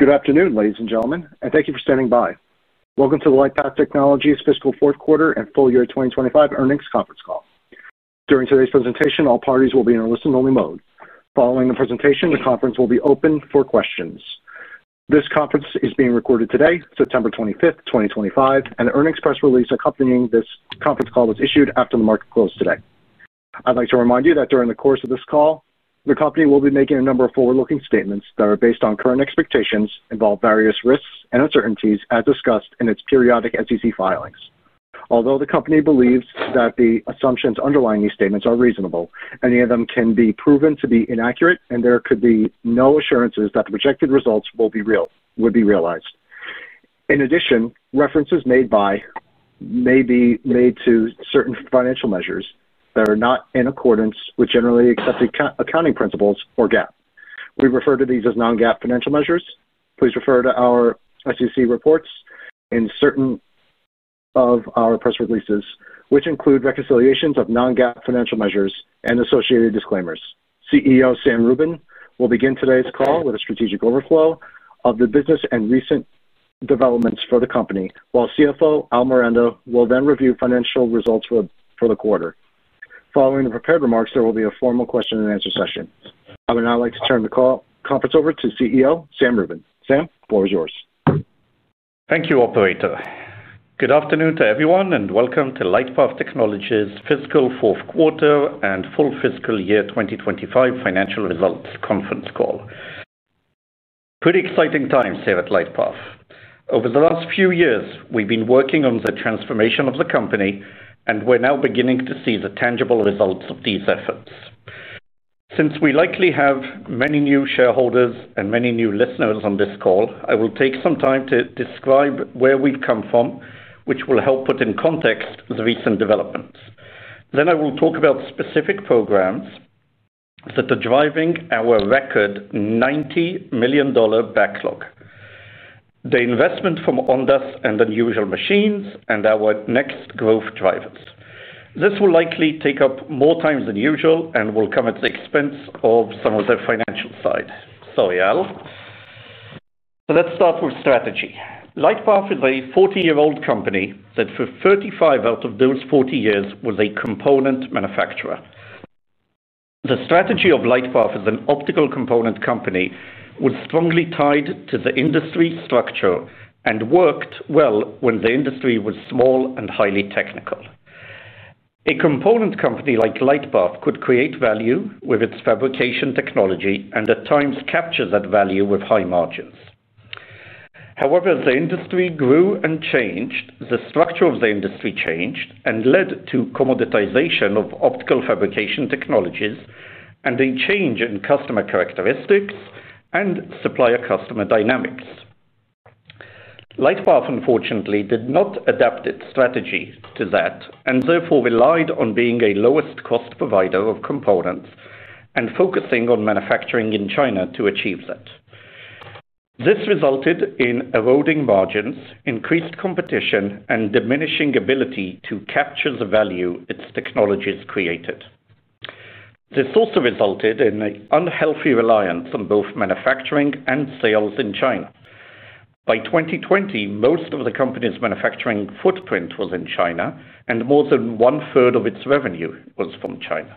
Good afternoon, ladies and gentlemen, and thank you for standing by. Welcome to the LightPath Technologies Fiscal Fourth Quarter and Full Year 2025 Earnings Conference Call. During today's presentation, all parties will be in a listen-only mode. Following the presentation, the conference will be open for questions. This conference is being recorded today, September 25th, 2025, and the earnings press release accompanying this conference call was issued after the market closed today. I'd like to remind you that during the course of this call, the company will be making a number of forward-looking statements that are based on current expectations and involve various risks and uncertainties as discussed in its periodic SEC filings. Although the company believes that the assumptions underlying these statements are reasonable, any of them can be proven to be inaccurate, and there could be no assurances that the projected results will be realized. In addition, references may be made to certain financial measures that are not in accordance with generally accepted accounting principles or GAAP. We refer to these as non-GAAP financial measures. Please refer to our SEC reports and certain of our press releases, which include reconciliations of non-GAAP financial measures and associated disclaimers. CEO Sam Rubin will begin today's call with a strategic overview of the business and recent developments for the company, while CFO Al Miranda will then review financial results for the quarter. Following the prepared remarks, there will be a formal question and answer session. I would now like to turn the conference over to CEO Sam Rubin. Sam, the floor is yours. Thank you, operator. Good afternoon to everyone, and welcome to LightPath Technologies' Fiscal Fourth Quarter and Full Fiscal Year 2025 Financial Results Conference Call. Pretty exciting times here at LightPath. Over the last few years, we've been working on the transformation of the company, and we're now beginning to see the tangible results of these efforts. Since we likely have many new shareholders and many new listeners on this call, I will take some time to describe where we come from, which will help put in context the recent developments. I will talk about specific programs that are driving our record $90 million backlog, the investment from Ondas and Unusual Machines, and our next growth drivers. This will likely take up more time than usual and will come at the expense of some of the financial side. Al, let's start with strategy. LightPath is a 40-year-old company that for 35 out of those 40 years was a component manufacturer. The strategy of LightPath as an optical component company was strongly tied to the industry structure and worked well when the industry was small and highly technical. A component company like LightPath could create value with its fabrication technology and at times capture that value with high margins. However, as the industry grew and changed, the structure of the industry changed and led to commoditization of optical fabrication technologies and a change in customer characteristics and supplier-customer dynamics. LightPath, unfortunately, did not adapt its strategy to that and therefore relied on being a lowest cost provider of components and focusing on manufacturing in China to achieve that. This resulted in eroding margins, increased competition, and a diminishing ability to capture the value its technologies created. This also resulted in an unhealthy reliance on both manufacturing and sales in China. By 2020, most of the company's manufacturing footprint was in China, and more than one third of its revenue was from China.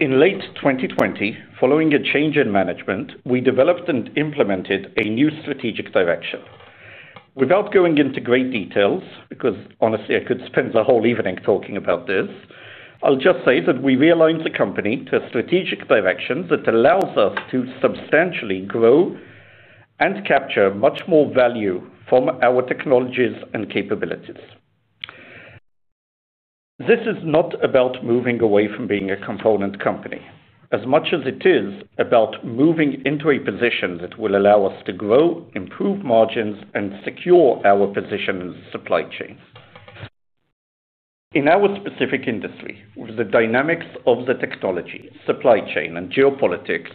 In late 2020, following a change in management, we developed and implemented a new strategic direction. Without going into great details, because honestly, I could spend the whole evening talking about this, I'll just say that we realigned the company to a strategic direction that allows us to substantially grow and capture much more value from our technologies and capabilities. This is not about moving away from being a component company. As much as it is about moving into a position that will allow us to grow, improve margins, and secure our position in the supply chain. In our specific industry, with the dynamics of the technology, supply chain, and geopolitics,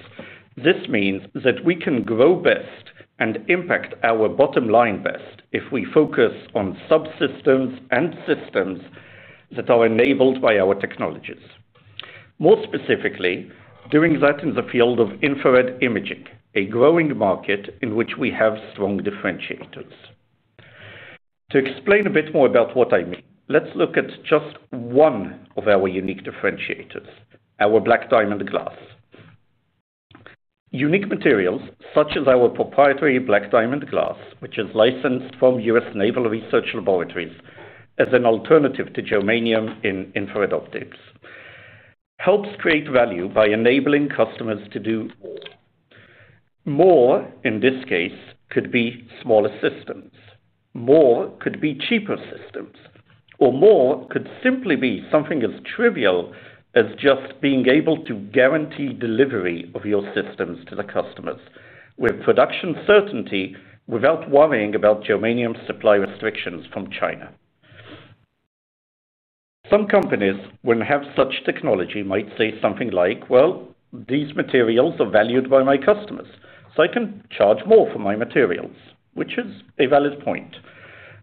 this means that we can grow best and impact our bottom line best if we focus on subsystems and systems that are enabled by our technologies. More specifically, doing that in the field of infrared imaging, a growing market in which we have strong differentiators. To explain a bit more about what I mean, let's look at just one of our unique differentiators, our BlackDiamond glass. Unique materials, such as our proprietary BlackDiamond glass, which is licensed from U.S. Naval Research Laboratory as an alternative to germanium in infrared optics, helps create value by enabling customers to do more. In this case, it could be smaller systems, more could be cheaper systems, or more could simply be something as trivial as just being able to guarantee delivery of your systems to the customers with production certainty without worrying about germanium supply restrictions from China. Some companies, when they have such technology, might say something like, "Well, these materials are valued by my customers, so I can charge more for my materials," which is a valid point.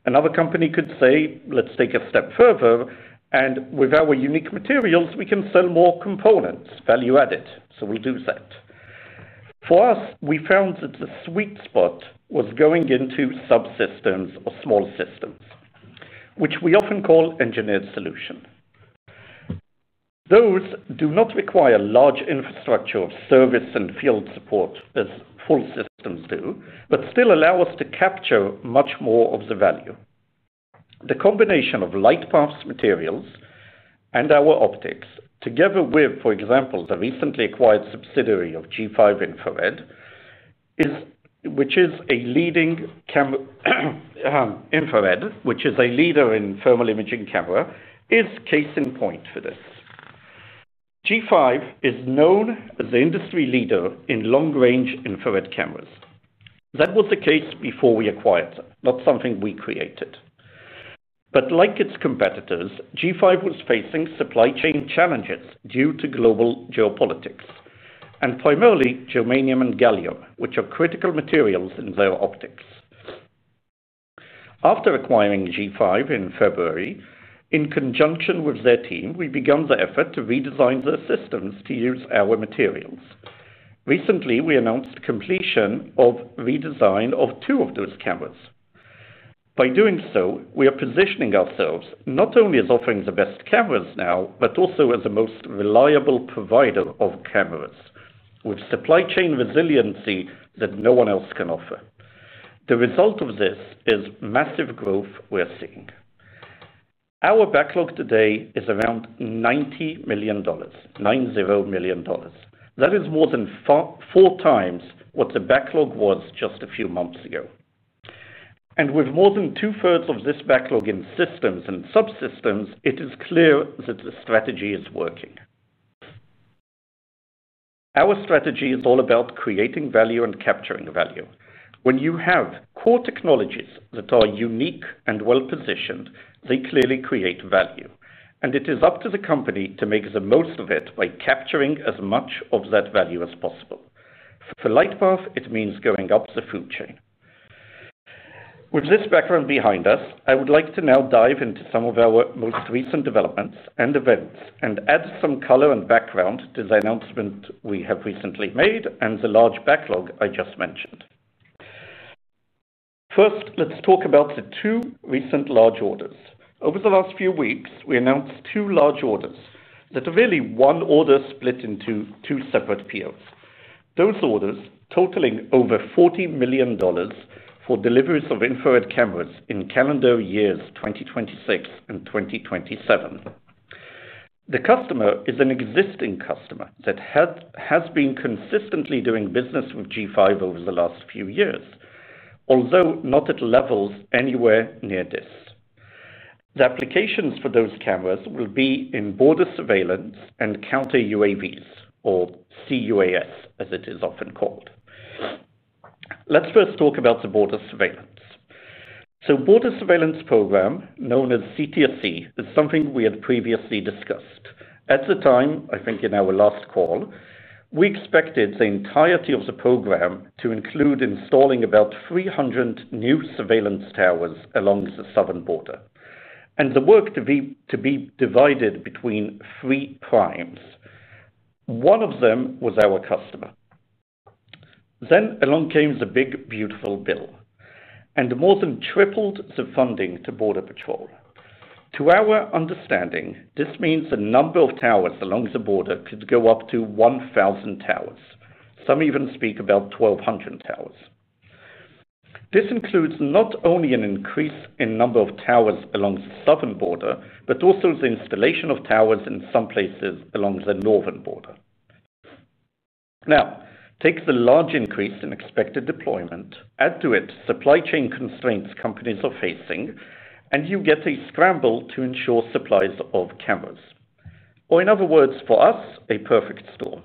Another company could say, "Let's take a step further, and with our unique materials, we can sell more components, value added." We'll do that. For us, we found that the sweet spot was going into subsystems or small systems, which we often call engineered solutions. Those do not require large infrastructure of service and field support as full systems do, but still allow us to capture much more of the value. The combination of LightPath's materials and our optics, together with, for example, the recently acquired subsidiary of G5 Infrared, which is a leader in thermal imaging camera, is a case in point for this. G5 is known as the industry leader in long-range infrared cameras. That was the case before we acquired them, not something we created. Like its competitors, G5 was facing supply chain challenges due to global geopolitics, and primarily germanium and gallium, which are critical materials in their optics. After acquiring G5 in February, in conjunction with their team, we began the effort to redesign their systems to use our materials. Recently, we announced the completion of the redesign of two of those cameras. By doing so, we are positioning ourselves not only as offering the best cameras now, but also as the most reliable provider of cameras with supply chain resiliency that no one else can offer. The result of this is massive growth we're seeing. Our backlog today is around $90 million. That is more than 4x what the backlog was just a few months ago. With more than 2/3 of this backlog in systems and subsystems, it is clear that the strategy is working. Our strategy is all about creating value and capturing value. When you have core technologies that are unique and well-positioned, they clearly create value, and it is up to the company to make the most of it by capturing as much of that value as possible. For LightPath, it means going up the food chain. With this background behind us, I would like to now dive into some of our most recent developments and events and add some color and background to the announcement we have recently made and the large backlog I just mentioned. First, let's talk about the two recent large orders. Over the last few weeks, we announced two large orders that are really one order split into two separate POs. Those orders total over $40 million for deliveries of infrared cameras in calendar years 2026 and 2027. The customer is an existing customer that has been consistently doing business with G5 over the last few years, although not at levels anywhere near this. The applications for those cameras will be in border surveillance and counter-UAS, or CUAS, as it is often called. Let's first talk about the border surveillance. The border surveillance program, known as CTSC, is something we had previously discussed. At the time, I think in our last call, we expected the entirety of the program to include installing about 300 new surveillance towers along the southern border, and the work to be divided between three primes. One of them was our customer. Along came the Big, Beautiful Bill, and it more than tripled the funding to border patrol. To our understanding, this means the number of towers along the border could go up to 1,000 towers. Some even speak about 1,200 towers. This includes not only an increase in the number of towers along the southern border, but also the installation of towers in some places along the northern border. Now, take the large increase in expected deployment, add to it supply chain constraints companies are facing, and you get a scramble to ensure supplies of cameras. In other words, for us, a perfect storm.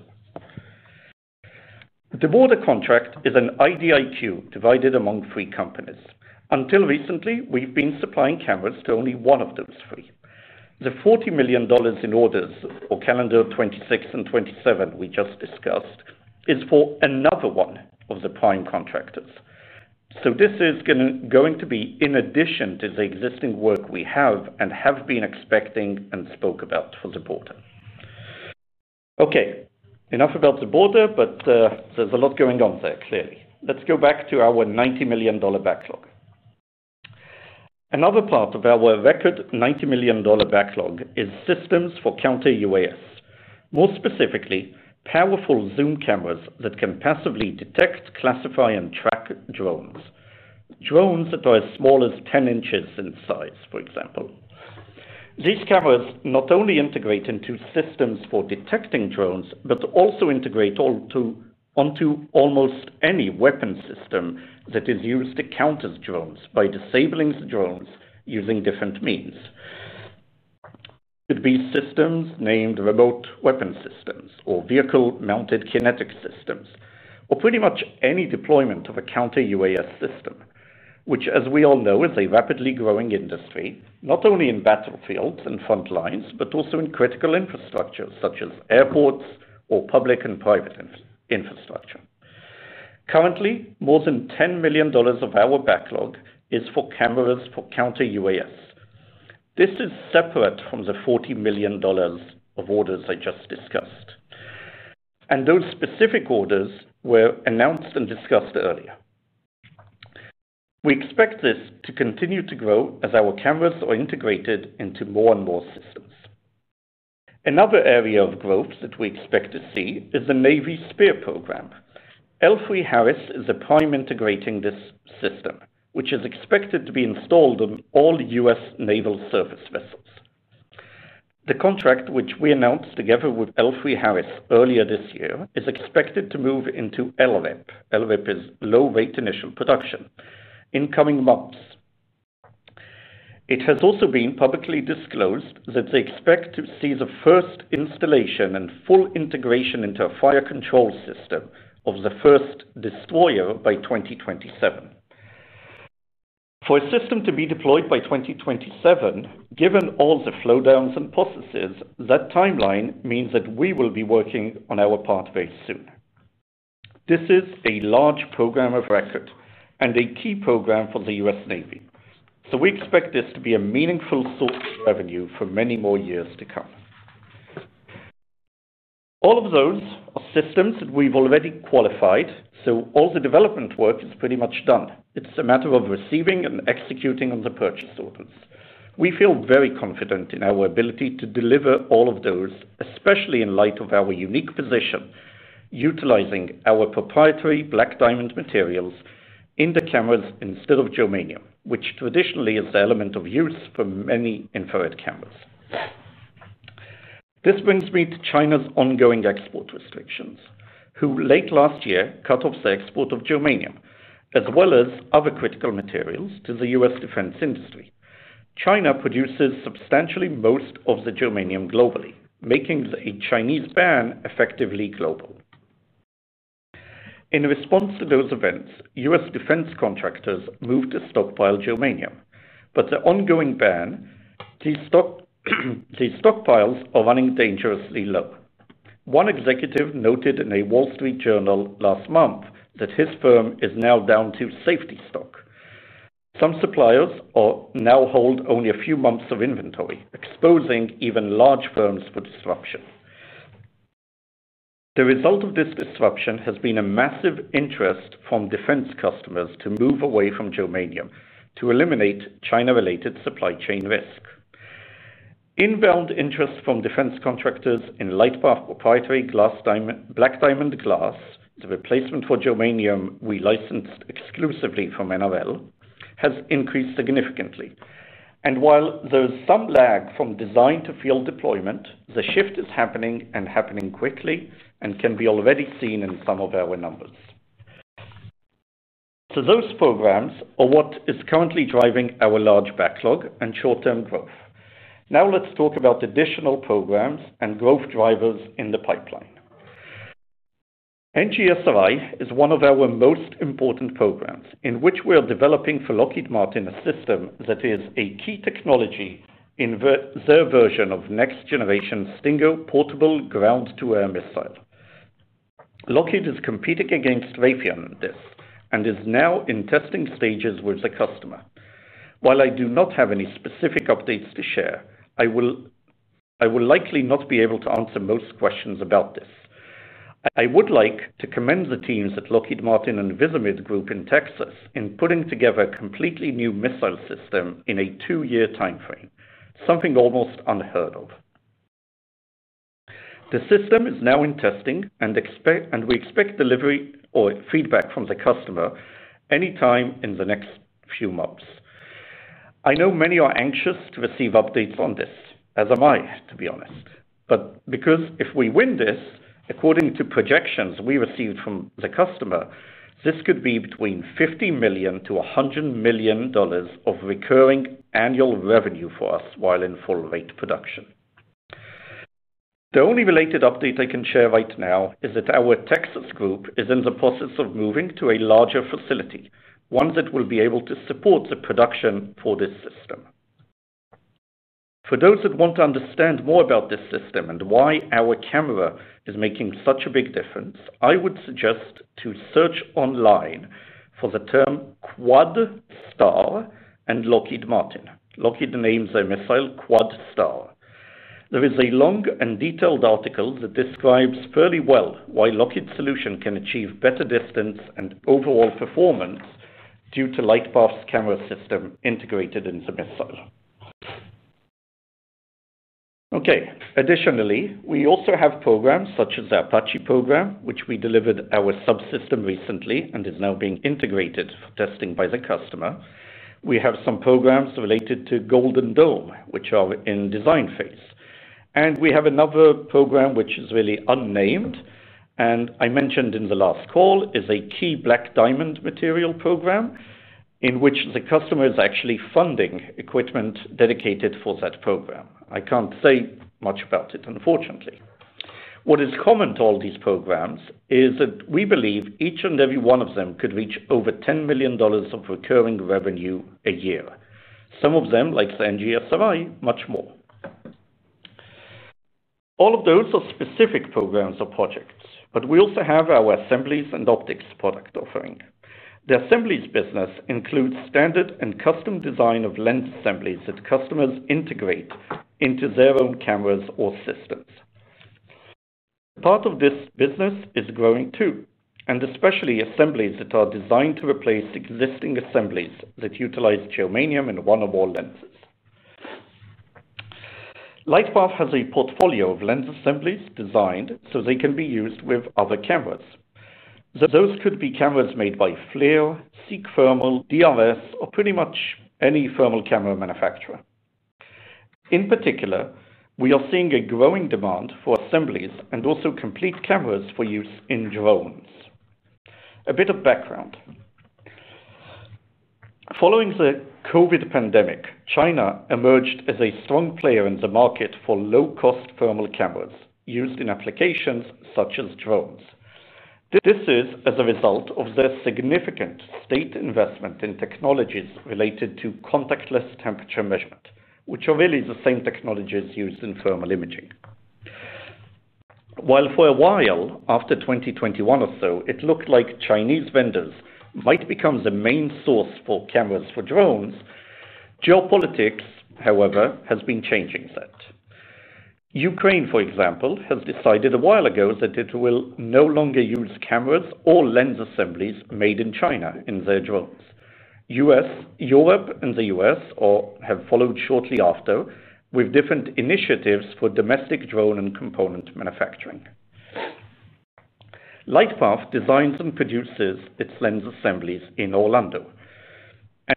The border contract is an IDIQ divided among three companies. Until recently, we've been supplying cameras to only one of those three. The $40 million in orders for calendar 2026 and 2027 we just discussed is for another one of the prime contractors. This is going to be in addition to the existing work we have and have been expecting and spoke about for the border. Okay, enough about the border, but there's a lot going on there, clearly. Let's go back to our $90 million backlog. Another part of our record $90 million backlog is systems for counter-UAS. More specifically, powerful zoom cameras that can passively detect, classify, and track drones. Drones that are as small as 10 inches in size, for example. These cameras not only integrate into systems for detecting drones, but also integrate onto almost any weapon system that is used to counter drones by disabling the drones using different means. It could be systems named remote weapon systems, or vehicle-mounted kinetic systems, or pretty much any deployment of a counter-UAS system, which, as we all know, is a rapidly growing industry, not only in battlefields and front lines, but also in critical infrastructure such as airports or public and private infrastructure. Currently, more than $10 million of our backlog is for cameras for counter-UAS. This is separate from the $40 million of orders I just discussed. Those specific orders were announced and discussed earlier. We expect this to continue to grow as our cameras are integrated into more and more systems. Another area of growth that we expect to see is the Navy SPEAR program. Elbit Systems is a prime integrating this system, which is expected to be installed on all U.S. naval surface vessels. The contract, which we announced together with Elbit Systems earlier this year, is expected to move into LRIP. LRIP is low rate initial production. In coming months, it has also been publicly disclosed that they expect to see the first installation and full integration into a fire control system of the first Destroyer by 2027. For a system to be deployed by 2027, given all the slowdowns and processes, that timeline means that we will be working on our pathway soon. This is a large program of record and a key program for the U.S. Navy. We expect this to be a meaningful source of revenue for many more years to come. All of those are systems that we've already qualified, so all the development work is pretty much done. It's a matter of receiving and executing on the purchase orders. We feel very confident in our ability to deliver all of those, especially in light of our unique position, utilizing our proprietary BlackDiamond materials in the cameras instead of germanium, which traditionally is the element of use for many infrared cameras. This brings me to China's ongoing export restrictions, who late last year cut off the export of germanium, as well as other critical materials to the U.S. defense industry. China produces substantially most of the germanium globally, making a Chinese ban effectively global. In response to those events, U.S. defense contractors moved to stockpile germanium, but the ongoing ban keeps stockpiles running dangerously low. One executive noted in a Wall Street Journal last month that his firm is now down to safety stock. Some suppliers now hold only a few months of inventory, exposing even large firms for disruption. The result of this disruption has been a massive interest from defense customers to move away from germanium to eliminate China-related supply chain risk. Inbound interest from defense contractors in LightPath's proprietary BlackDiamond glass, the replacement for germanium we licensed exclusively from the U.S. Naval Research Laboratory, has increased significantly. While there is some lag from design to field deployment, the shift is happening and happening quickly and can be already seen in some of our numbers. Those programs are what is currently driving our large backlog and short-term growth. Now let's talk about additional programs and growth drivers in the pipeline. NGSRI is one of our most important programs in which we are developing for Lockheed Martin a system that is a key technology in their version of next-generation Stinger portable ground-to-air missile. Lockheed is competing against Raytheon in this and is now in testing stages with the customer. While I do not have any specific updates to share, I will likely not be able to answer most questions about this. I would like to commend the teams at Lockheed Martin and Visimid Group in Texas in putting together a completely new missile system in a two-year timeframe, something almost unheard of. The system is now in testing and we expect delivery or feedback from the customer anytime in the next few months. I know many are anxious to receive updates on this, as am I, to be honest. If we win this, according to projections we received from the customer, this could be between $50 million-$100 million of recurring annual revenue for us while in full-rate production. The only related update I can share right now is that our Texas group is in the process of moving to a larger facility, one that will be able to support the production for this system. For those that want to understand more about this system and why our camera is making such a big difference, I would suggest searching online for the term QuadStar and Lockheed Martin. Lockheed names their missile QuadStar. There is a long and detailed article that describes fairly well why Lockheed's solution can achieve better distance and overall performance due to LightPath's camera system integrated in the missile. Additionally, we also have programs such as the Apache program, which we delivered our subsystem recently and is now being integrated for testing by the customer. We have some programs related to Golden Dome, which are in the design phase. We have another program which is really unnamed, and I mentioned in the last call, is a key BlackDiamond material program in which the customer is actually funding equipment dedicated for that program. I can't say much about it, unfortunately. What is common to all these programs is that we believe each and every one of them could reach over $10 million of recurring revenue a year. Some of them, like the NGSRI, much more. All of those are specific programs or projects, but we also have our assemblies and optics product offering. The assemblies business includes standard and custom design of lens assemblies that customers integrate into their own cameras or systems. Part of this business is growing too, especially assemblies that are designed to replace existing assemblies that utilize germanium in one or more lenses. LightPath has a portfolio of lens assemblies designed so they can be used with other cameras. Those could be cameras made by FLIR, SICK Thermal, DRS, or pretty much any thermal camera manufacturer. In particular, we are seeing a growing demand for assemblies and also complete cameras for use in drones. A bit of background. Following the COVID pandemic, China emerged as a strong player in the market for low-cost thermal cameras used in applications such as drones. This is as a result of their significant state investment in technologies related to contactless temperature measurement, which are really the same technologies used in thermal imaging. While for a while, after 2021 or so, it looked like Chinese vendors might become the main source for cameras for drones, geopolitics, however, has been changing that. Ukraine, for example, has decided a while ago that it will no longer use cameras or lens assemblies made in China in their drones. The U.S., Europe, and the U.S. have followed shortly after with different initiatives for domestic drone and component manufacturing. LightPath designs and produces its lens assemblies in Orlando.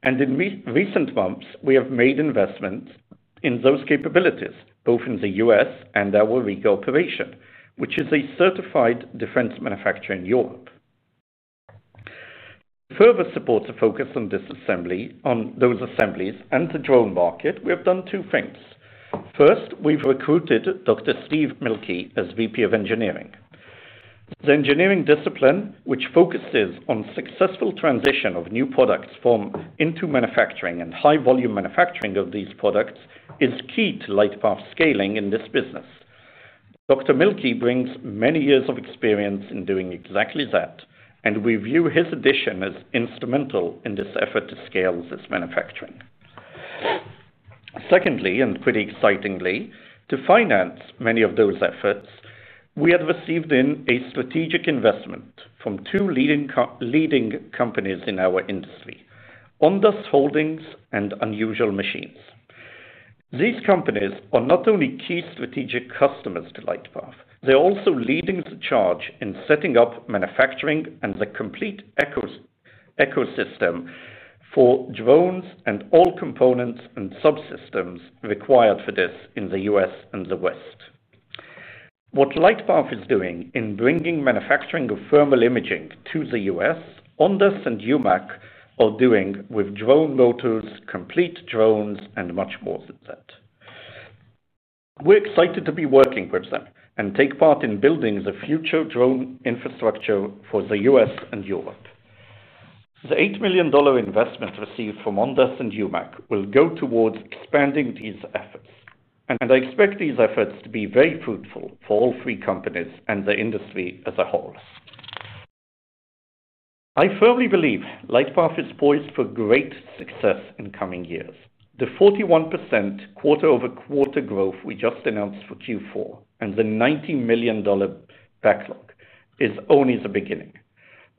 In recent months, we have made investments in those capabilities, both in the U.S. and our Riga operation, which is a certified defense manufacturer in Europe. To further support the focus on those assemblies and the drone market, we have done two things. First, we've recruited Dr. Steve Mielke as VP of Engineering. The Engineering discipline, which focuses on the successful transition of new products into manufacturing and high-volume manufacturing of these products, is key to LightPath's scaling in this business. Dr. Mielke brings many years of experience in doing exactly that, and we view his addition as instrumental in this effort to scale this manufacturing. Secondly, and pretty excitingly, to finance many of those efforts, we had received a strategic investment from two leading companies in our industry, Ondas Holdings and Unusual Machines. These companies are not only key strategic customers to LightPath, they're also leading the charge in setting up manufacturing and the complete ecosystem for drones and all components and subsystems required for this in the U.S. and the West. What LightPath is doing in bringing manufacturing of thermal imaging to the U.S., Ondas and Unusual Machines are doing with drone motors, complete drones, and much more than that. We're excited to be working with them and take part in building the future drone infrastructure for the U.S. and Europe. The $8 million investment received from Ondas and Unusual Machines will go towards expanding these efforts. I expect these efforts to be very fruitful for all three companies and the industry as a whole. I firmly believe LightPath is poised for great success in the coming years. The 41% quarter-over-quarter growth we just announced for Q4 and the $90 million backlog is only the beginning.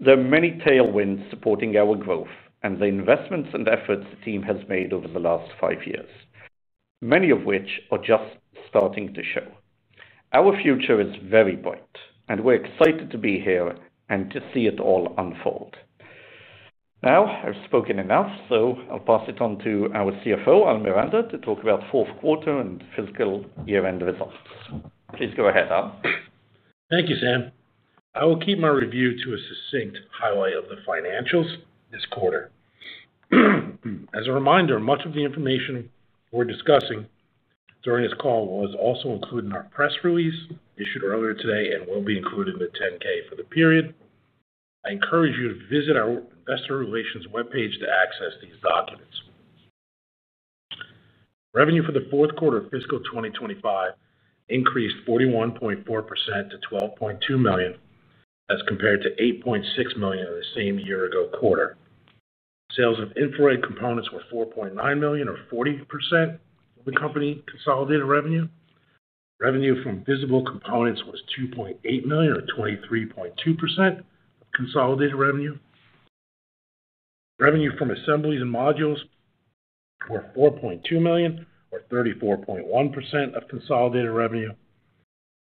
There are many tailwinds supporting our growth and the investments and efforts the team has made over the last five years, many of which are just starting to show. Our future is very bright, and we're excited to be here and to see it all unfold. Now I've spoken enough, so I'll pass it on to our CFO, Al Miranda, to talk about fourth quarter and fiscal year-end results. Please go ahead, Al. Thank you, Sam. I will keep my review to a succinct highlight of the financials this quarter. As a reminder, much of the information we're discussing during this call was also included in our press release issued earlier today and will be included in the 10-K for the period. I encourage you to visit our investor relations webpage to access these documents. Revenue for the fourth quarter of fiscal 2025 increased 41.4% to $12.2 million as compared to $8.6 million in the same year-ago quarter. Sales of infrared components were $4.9 million, or 40% of the company consolidated revenue. Revenue from visible components was $2.8 million, or 23.2% of consolidated revenue. Revenue from assemblies and modules were $4.2 million, or 34.1% of consolidated revenue.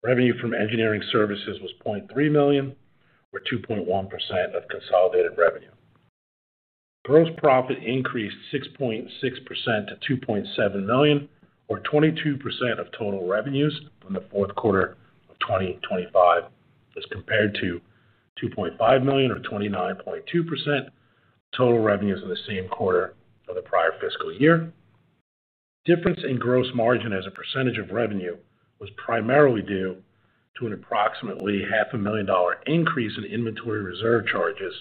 Revenue from engineering services was $0.3 million, or 2.1% of consolidated revenue. Gross profit increased 6.6% to $2.7 million, or 22% of total revenues in the fourth quarter of 2025 as compared to $2.5 million, or 29.2% of total revenues in the same quarter of the prior fiscal year. Difference in gross margin as a percentage of revenue was primarily due to an approximately $500,000 increase in inventory reserve charges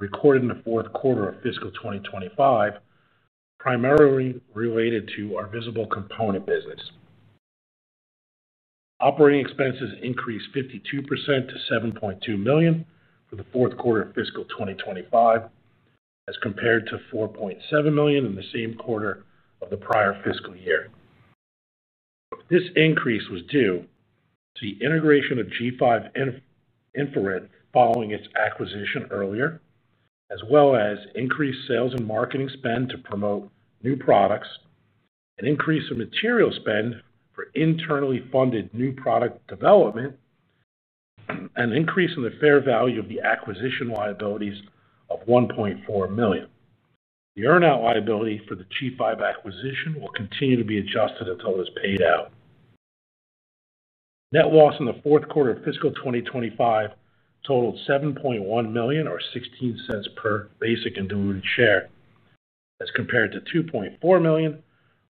recorded in the fourth quarter of fiscal 2025, primarily related to our visible component business. Operating expenses increased 52% to $7.2 million for the fourth quarter of fiscal 2025 as compared to $4.7 million in the same quarter of the prior fiscal year. This increase was due to the integration of G5 Infrared following its acquisition earlier, as well as increased sales and marketing spend to promote new products, an increase in material spend for internally funded new product development, and an increase in the fair value of the acquisition liabilities of $1.4 million. The earnout liability for the G5 acquisition will continue to be adjusted until it is paid out. Net loss in the fourth quarter of fiscal 2025 totaled $7.1 million, or $0.16 per basic and diluted share, as compared to $2.4 million,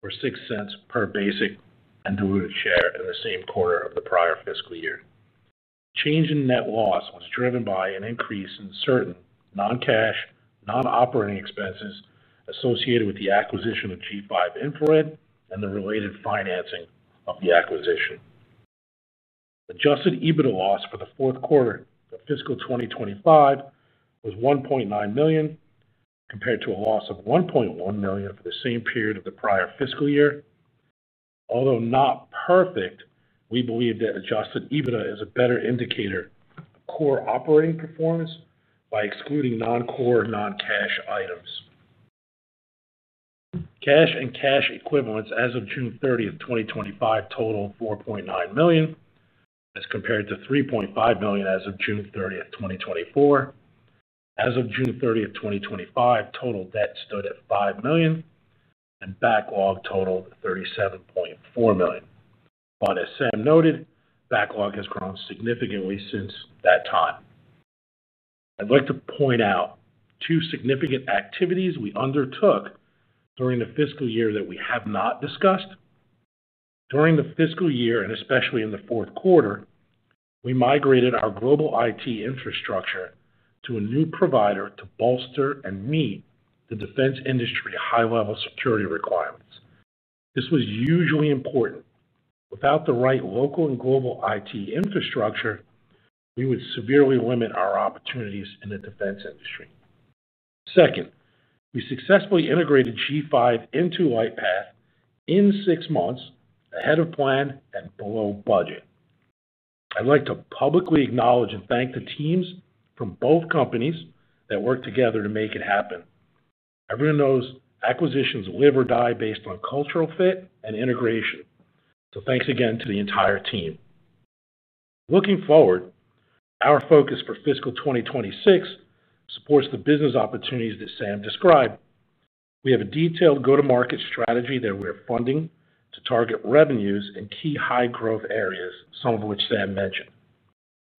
or $0.06 per basic and diluted share in the same quarter of the prior fiscal year. Change in net loss was driven by an increase in certain non-cash, non-operating expenses associated with the acquisition of G5 Infrared and the related financing of the acquisition. Adjusted EBITDA loss for the fourth quarter of fiscal 2025 was $1.9 million compared to a loss of $1.1 million for the same period of the prior fiscal year. Although not perfect, we believe that adjusted EBITDA is a better indicator of core operating performance by excluding non-core and non-cash items. Cash and cash equivalents as of June 30, 2025 totaled $4.9 million as compared to $3.5 million as of June 30, 2024. As of June 30, 2025, total debt stood at $5 million and backlog totaled $37.4 million. As Sam noted, backlog has grown significantly since that time. I'd like to point out two significant activities we undertook during the fiscal year that we have not discussed. During the fiscal year, and especially in the fourth quarter, we migrated our global IT infrastructure to a new provider to bolster and meet the defense industry high-level security requirements. This was hugely important. Without the right local and global IT infrastructure, we would severely limit our opportunities in the defense industry. Second, we successfully integrated G5 into LightPath in six months, ahead of plan and below budget. I'd like to publicly acknowledge and thank the teams from both companies that worked together to make it happen. Everyone knows acquisitions live or die based on cultural fit and integration. Thanks again to the entire team. Looking forward, our focus for fiscal 2026 supports the business opportunities that Sam described. We have a detailed go-to-market strategy that we are funding to target revenues in key high-growth areas, some of which Sam mentioned.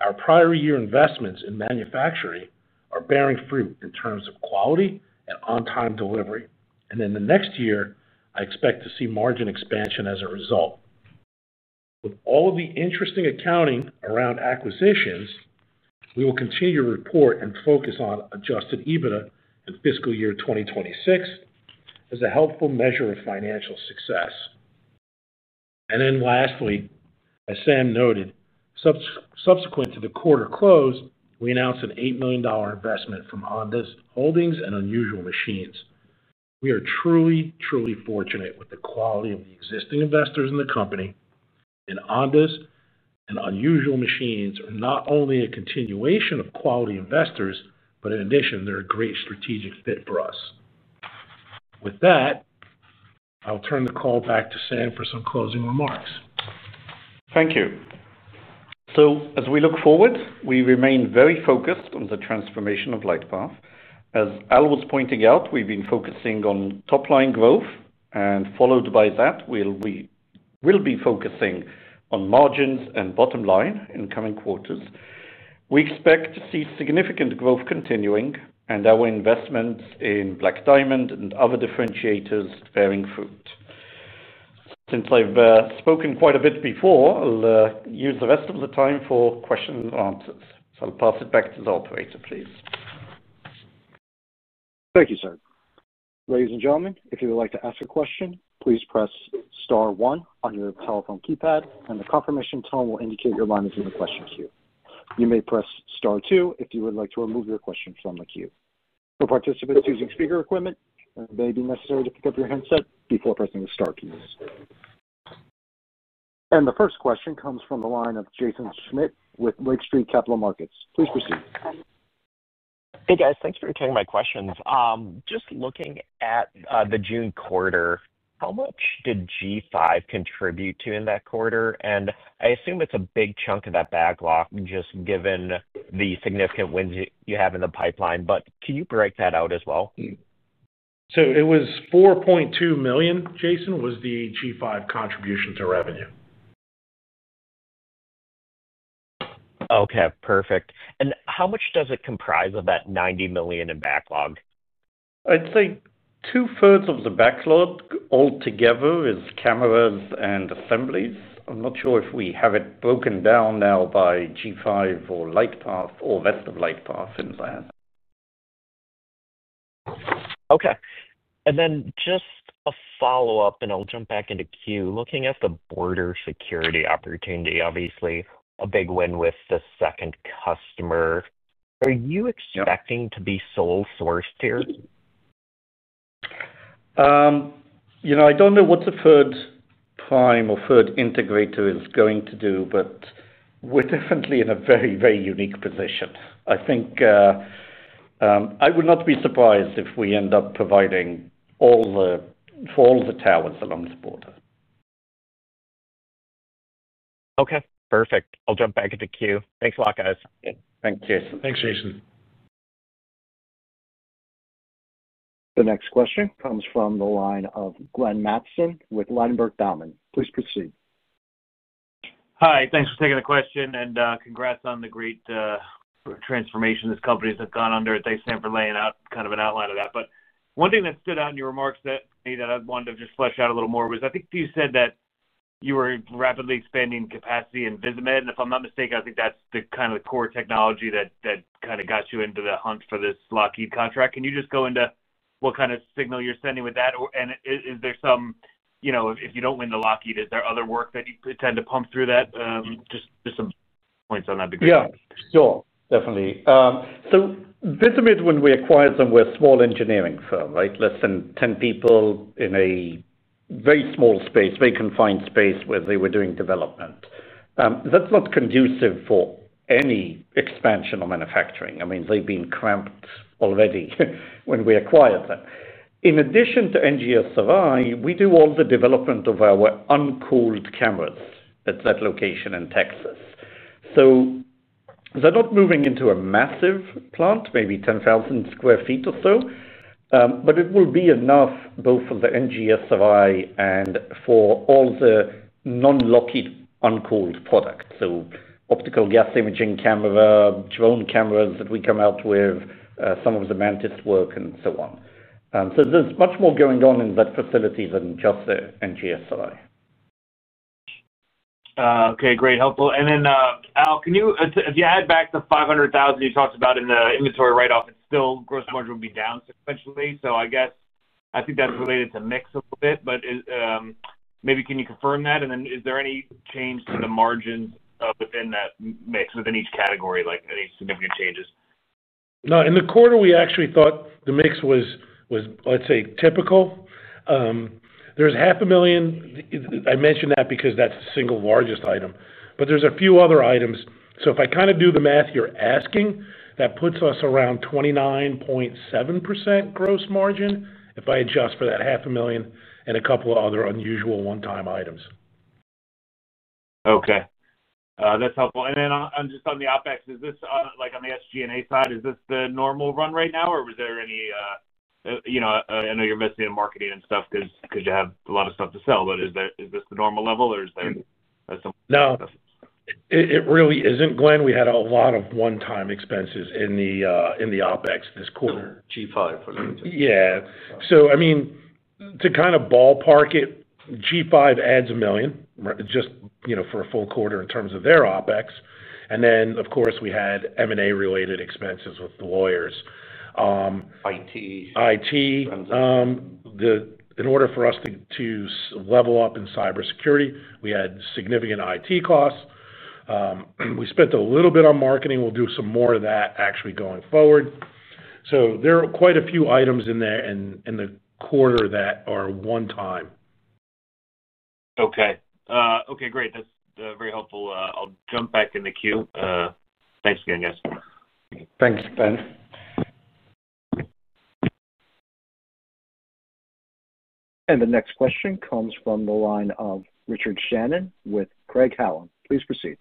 Our prior year investments in manufacturing are bearing fruit in terms of quality and on-time delivery. In the next year, I expect to see margin expansion as a result. With all of the interesting accounting around acquisitions, we will continue to report and focus on adjusted EBITDA in fiscal year 2026 as a helpful measure of financial success. Lastly, as Sam noted, subsequent to the quarter close, we announced an $8 million investment from Ondas and Unusual Machines. We are truly, truly fortunate with the quality of the existing investors in the company, and Ondas and Unusual Machines are not only a continuation of quality investors, but in addition, they're a great strategic fit for us. With that, I'll turn the call back to Sam for some closing remarks. Thank you. As we look forward, we remain very focused on the transformation of LightPath. As Al was pointing out, we've been focusing on top-line growth, and followed by that, we will be focusing on margins and bottom line in the coming quarters. We expect to see significant growth continuing, and our investments in BlackDiamond and other differentiators bearing fruit. Since I've spoken quite a bit before, I'll use the rest of the time for questions and answers. I'll pass it back to the operator, please. Thank you, sir. Ladies and gentlemen, if you would like to ask a question, please press star one on your telephone keypad, and the confirmation tone will indicate you're monitoring the question queue. You may press star two if you would like to remove your question from the queue. For participants using speaker equipment, it may be necessary to pick up your headset before pressing the star keys. The first question comes from the line of Jaeson Schmidt with Lake Street Capital Markets. Please proceed. Hey guys, thanks for taking my questions. Just looking at the June quarter, how much did G5 contribute to in that quarter? I assume it's a big chunk of that backlog just given the significant wins you have in the pipeline, but can you break that out as well? It was $4.2 million, Jason, was the G5 contribution to revenue. Okay, perfect. How much does it comprise of that $90 million in backlog? I'd say two thirds of the backlog altogether is cameras and assemblies. I'm not sure if we have it broken down now by G5 or LightPath or rest of LightPath in that. Okay. Just a follow-up, I'll jump back into queue. Looking at the border security opportunity, obviously a big win with the second customer. Are you expecting to be sole sourced here? I don't know what the third prime or third integrator is going to do, but we're definitely in a very, very unique position. I think I would not be surprised if we end up providing all the towers along the border. Okay, perfect. I'll jump back into queue. Thanks a lot, guys. Thanks, Jason. Thanks, Jason. The next question comes from the line of Glenn Mattson with Ladenburg Thalmann. Please proceed. Hi, thanks for taking the question and congrats on the great transformation this company has gone under. Thanks, Sam, for laying out kind of an outline of that. One thing that stood out in your remarks that I wanted to just flesh out a little more was I think you said that you were rapidly expanding capacity in Visimid, and if I'm not mistaken, I think that's kind of the core technology that got you into the hunt for this Lockheed contract. Can you just go into what kind of signal you're sending with that? Is there some, you know, if you don't win the Lockheed, is there other work that you tend to pump through that? Just some points on that would be great. Yeah, sure, definitely. Visimid, when we acquired them, were a small engineering firm, right? Less than 10 people in a very small space, very confined space where they were doing development. That's not conducive for any expansion or manufacturing. I mean, they'd been cramped already when we acquired them. In addition to NGSRI, we do all the development of our uncooled cameras at that location in Texas. They're not moving into a massive plant, maybe 10,000 sq ft or so, but it will be enough both for the NGSRI and for all the non-Lockheed uncooled products. Optical gas imaging camera, drone cameras that we come out with, some of the Mantis work, and so on. There's much more going on in that facility than just the NGSRI. Okay, great, helpful. Al, can you, if you add back the $500,000 you talked about in the inventory write-off, it's still gross margin would be down sequentially. I guess I think that's related to mix a little bit, but maybe can you confirm that? Is there any change to the margins within that mix within each category, like any significant changes? No, in the quarter, we actually thought the mix was, let's say, typical. There's $0.5 million. I mentioned that because that's the single largest item, but there's a few other items. If I kind of do the math you're asking, that puts us around 29.7% gross margin if I adjust for that $0.5 million and a couple of other unusual one-time items. Okay, that's helpful. On the OpEx, is this like on the SG&A side, is this the normal run right now, or was there any, you know, I know you're missing in marketing and stuff because you have a lot of stuff to sell, but is this the normal level or is there some? No, it really isn't, Glenn. We had a lot of one-time expenses in the OpEx this quarter. G5 Infrared. Yeah, to kind of ballpark it, G5 adds $1 million just, you know, for a full quarter in terms of their OpEx. Of course, we had M&A related expenses with the lawyers. IT. In order for us to level up in cybersecurity, we had significant IT costs. We spent a little bit on marketing. We'll do some more of that actually going forward. There are quite a few items in there in the quarter that are one-time. Okay, great. That's very helpful. I'll jump back into queue. Thanks again. Thanks, Ben. The next question comes from the line of Richard Shannon with Craig-Hallum. Please proceed.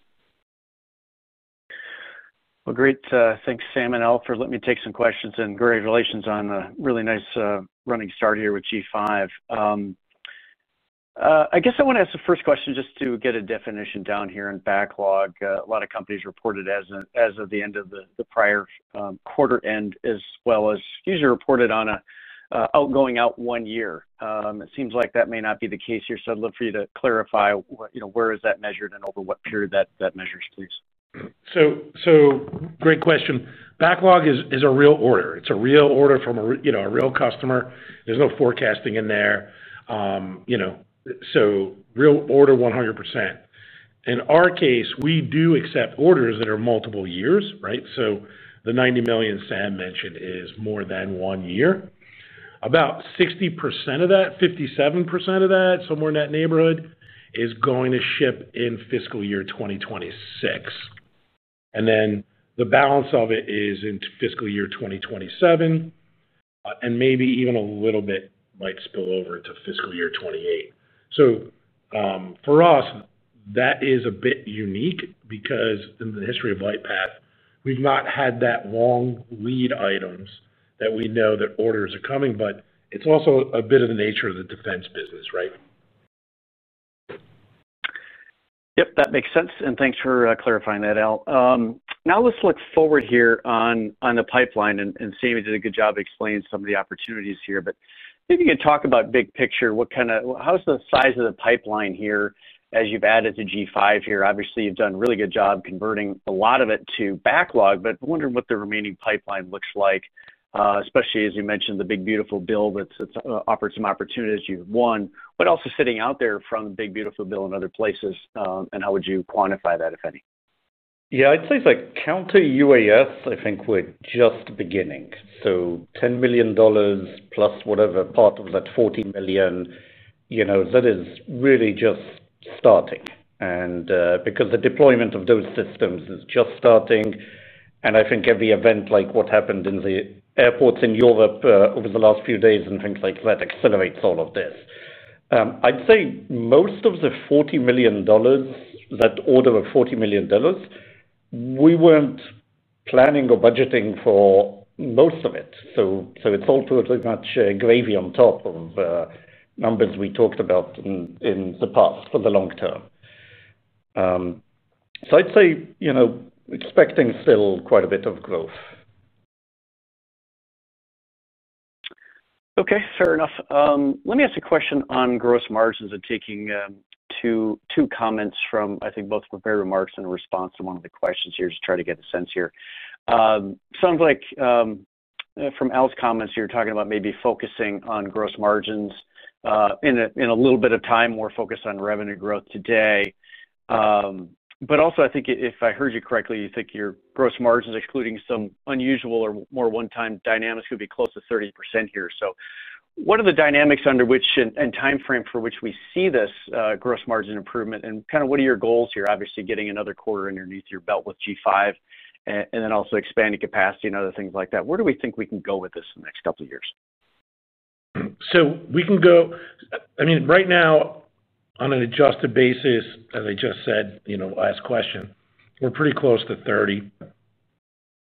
Thank you, Sam and Al, for letting me take some questions and congratulations on a really nice running start here with G5. I guess I want to ask the first question just to get a definition down here in backlog. A lot of companies report it as of the end of the prior quarter end, as well as usually report it on an outgoing out one year. It seems like that may not be the case here. I'd love for you to clarify what, you know, where is that measured and over what period that measures, please. Great question. Backlog is a real order. It's a real order from a, you know, a real customer. There's no forecasting in there. Real order 100%. In our case, we do accept orders that are multiple years, right? The $90 million Sam mentioned is more than one year. About 60% of that, 57% of that, somewhere in that neighborhood, is going to ship in fiscal year 2026. The balance of it is in fiscal year 2027, and maybe even a little bit might spill over into fiscal year 2028. For us, that is a bit unique because in the history of LightPath, we've not had that long lead items that we know that orders are coming, but it's also a bit of the nature of the defense business, right? Yep, that makes sense. Thanks for clarifying that, Al. Now let's look forward here on the pipeline and see if you did a good job explaining some of the opportunities here. Maybe you can talk about big picture, what kind of, how's the size of the pipeline here as you've added to G5 here? Obviously, you've done a really good job converting a lot of it to backlog, but I'm wondering what the remaining pipeline looks like, especially as you mentioned the big beautiful bill that's offered some opportunities you've won, but also sitting out there from the big beautiful bill in other places. How would you quantify that, if any? Yeah, I'd say like counter-UAS, I think we're just beginning. $10 million plus whatever part of that $14 million, you know, that is really just starting. Because the deployment of those systems is just starting, I think every event like what happened in the airports in Europe over the last few days and things like that accelerates all of this. I'd say most of the $40 million, that order of $40 million, we weren't planning or budgeting for most of it. It's all pretty much gravy on top of numbers we talked about in the past for the long term. I'd say, you know, expecting still quite a bit of growth. Okay, fair enough. Let me ask a question on gross margins and taking two comments from, I think, both of your earlier remarks in response to one of the questions here to try to get a sense here. Sounds like from Al Miranda's comments here, talking about maybe focusing on gross margins in a little bit of time, more focused on revenue growth today. I think if I heard you correctly, you think your gross margins, excluding some unusual or more one-time dynamics, could be close to 30% here. What are the dynamics under which and timeframe for which we see this gross margin improvement? What are your goals here? Obviously, getting another quarter underneath your belt with G5 Infrared and then also expanding capacity and other things like that. Where do we think we can go with this in the next couple of years? Right now on an adjusted basis, as I just said, last question, we're pretty close to 30.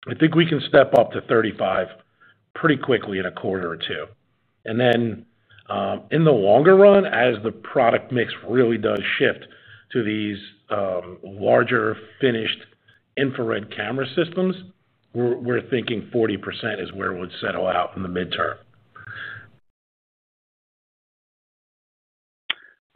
I think we can step up to 35 pretty quickly in a quarter or two. In the longer run, as the product mix really does shift to these larger finished infrared camera systems, we're thinking 40% is where it would settle out in the midterm.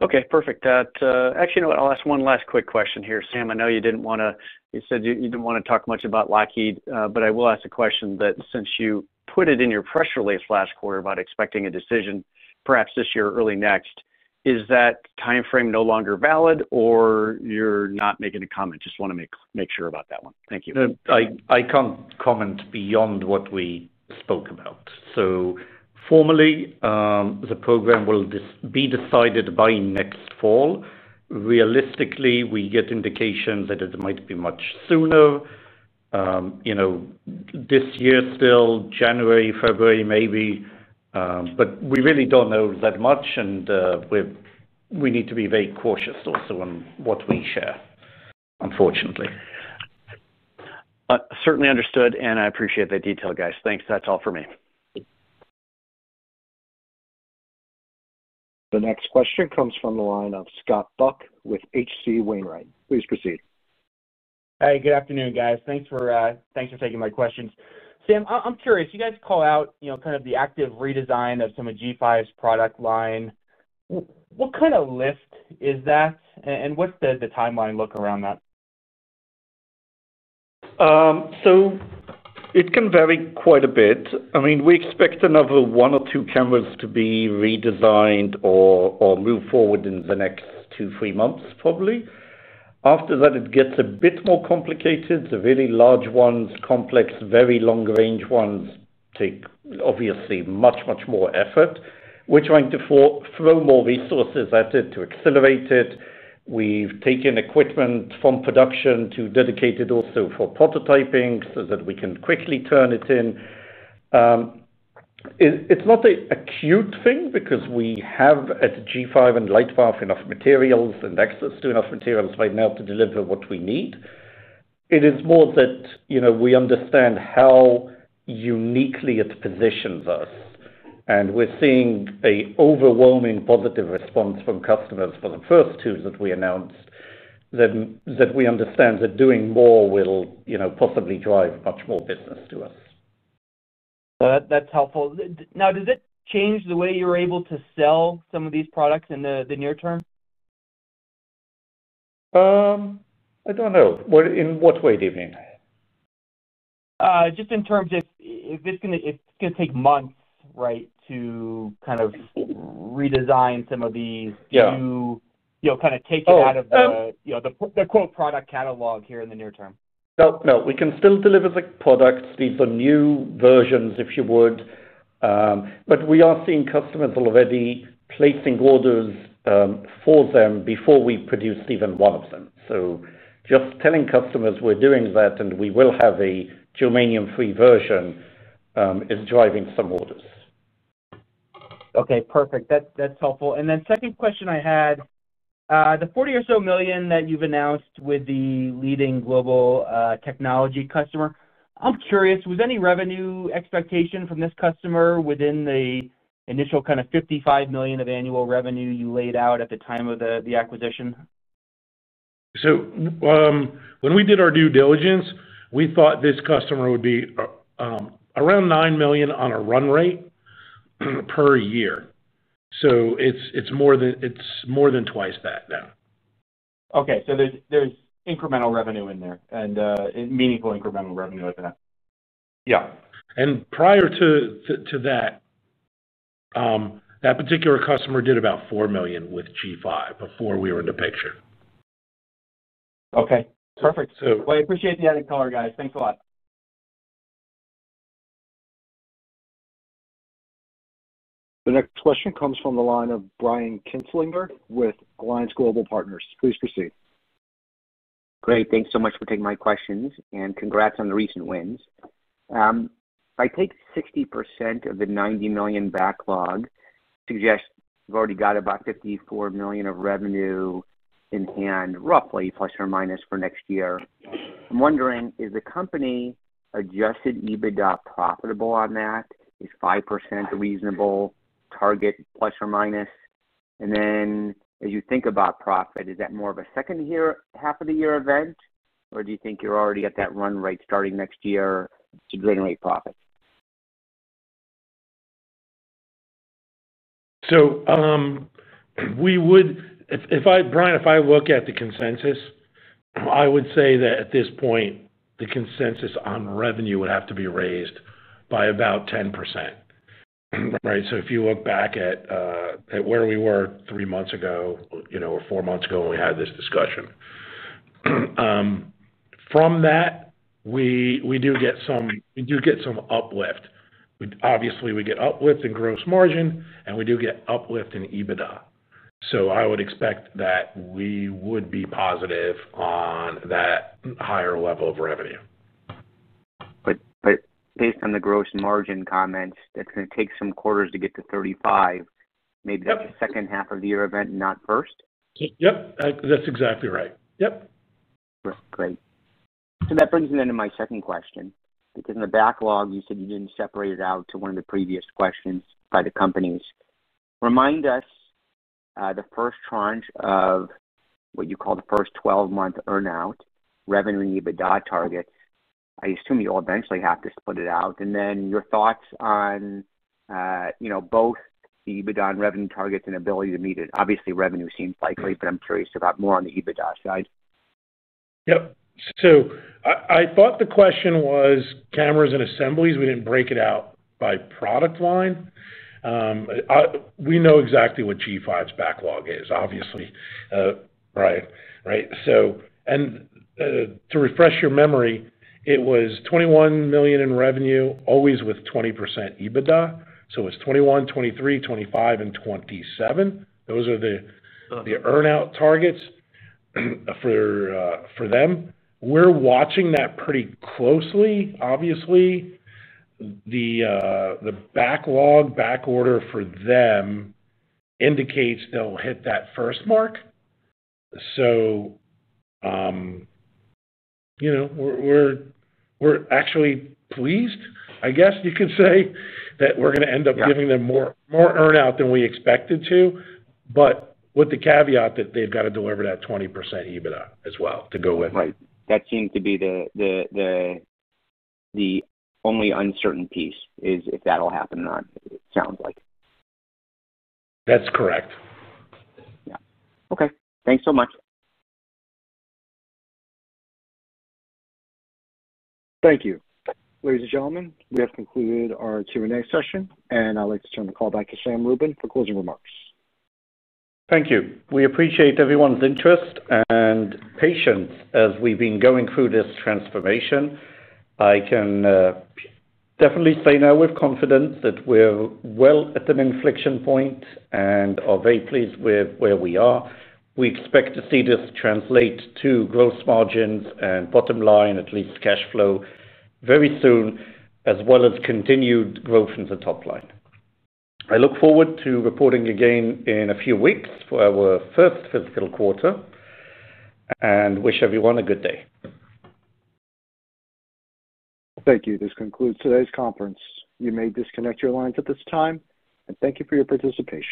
Okay, perfect. Actually, you know what, I'll ask one last quick question here, Sam. I know you didn't want to, you said you didn't want to talk much about Lockheed, but I will ask a question that since you put it in your press release last quarter about expecting a decision perhaps this year or early next, is that timeframe no longer valid or you're not making a comment? Just want to make sure about that one. Thank you. I can't comment beyond what we spoke about. Formally, the program will be decided by next fall. Realistically, we get indications that it might be much sooner, you know, this year still, January, February maybe, but we really don't know that much. We need to be very cautious also on what we share, unfortunately. Certainly understood, and I appreciate the detail, guys. Thanks. That's all for me. The next question comes from the line of Scott Buck with H.C. Wainwright. Please proceed. Hey, good afternoon, guys. Thanks for taking my questions. Sam, I'm curious, you guys call out, you know, the active redesign of some of G5's product line. What kind of lift is that, and what's the timeline look around that? It can vary quite a bit. I mean, we expect another one or two cameras to be redesigned or move forward in the next two, three months, probably. After that, it gets a bit more complicated. The really large ones, complex, very long-range ones take obviously much, much more effort. We're trying to throw more resources at it to accelerate it. We've taken equipment from production to dedicate it also for prototyping so that we can quickly turn it in. It's not an acute thing because we have at G5 Infrared and LightPath Technologies enough materials and access to enough materials right now to deliver what we need. It is more that, you know, we understand how uniquely it positions us. We're seeing an overwhelming positive response from customers for the first two that we announced that we understand that doing more will, you know, possibly drive much more business to us. That's helpful. Now, does it change the way you're able to sell some of these products in the near term? I don't know. In what way do you mean? In terms of if it's going to take months to redesign some of these to take it out of the product catalog here in the near term. No, no, we can still deliver the products, these new versions, if you would. We are seeing customers already placing orders for them before we produce even one of them. Just telling customers we're doing that and we will have a germanium-free version is driving some orders. Okay, perfect. That's helpful. The second question I had, the $40 million or so that you've announced with the leading global technology customer, I'm curious, was any revenue expectation from this customer within the initial kind of $55 million of annual revenue you laid out at the time of the acquisition? When we did our due diligence, we thought this customer would be around $9 million on a run rate per year. It's more than twice that now. Okay, there's incremental revenue in there and meaningful incremental revenue at the end. Yeah, prior to that, that particular customer did about $4 million with G5 Infrared before we were in the picture. Okay, perfect. I appreciate the added color, guys. Thanks a lot. The next question comes from the line of Brian Kinslinger with Alliance Global Partners. Please proceed. Great, thanks so much for taking my questions and congrats on the recent wins. If I take 60% of the $90 million backlog, suggests we've already got about $54 million of revenue in hand, roughly plus or minus for next year. I'm wondering, is the company adjusted EBITDA profitable on that? Is 5% a reasonable target, plus or minus? As you think about profit, is that more of a second half of the year event, or do you think you're already at that run rate starting next year to generate profits? If I look at the consensus, I would say that at this point, the consensus on revenue would have to be raised by about 10%. Right? If you look back at where we were three months ago, you know, or four months ago when we had this discussion, from that, we do get some uplift. Obviously, we get uplift in gross margin, and we do get uplift in EBITDA. I would expect that we would be positive on that higher level of revenue. Based on the gross margin comments, that's going to take some quarters to get to 35%. Maybe that's a second half of the year event, not first? Yep, that's exactly right. Great. That brings me to my second question, because in the backlog, you said you didn't separate it out to one of the previous questions by the companies. Remind us, the first tranche of what you call the first 12-month earnout, revenue and EBITDA targets. I assume you'll eventually have to split it out. Your thoughts on both the EBITDA and revenue targets and ability to meet it. Obviously, revenue seems likely, but I'm curious about more on the EBITDA side. Yep. I thought the question was cameras and assemblies. We didn't break it out by product line. We know exactly what G5's backlog is, obviously. Right, right. To refresh your memory, it was $21 million in revenue, always with 20% EBITDA. It was $21, $23, $25, and $27 million. Those are the earnout targets for them. We're watching that pretty closely. Obviously, the backlog, backorder for them indicates they'll hit that first mark. We're actually pleased, I guess you could say, that we're going to end up giving them more earnout than we expected to, but with the caveat that they've got to deliver that 20% EBITDA as well to go with. Right. That seemed to be the only uncertain piece, if that'll happen or not, it sounds like. That's correct. Yeah, okay. Thanks so much. Thank you. Ladies and gentlemen, we have concluded our Q&A session, and I'd like to turn the call back to Sam Rubin for closing remarks. Thank you. We appreciate everyone's interest and patience as we've been going through this transformation. I can definitely say now with confidence that we're well at an inflection point and are very pleased with where we are. We expect to see this translate to gross margins and bottom line, at least cash flow, very soon, as well as continued growth in the top line. I look forward to reporting again in a few weeks for our first fiscal quarter and wish everyone a good day. Thank you. This concludes today's conference. You may disconnect your lines at this time, and thank you for your participation.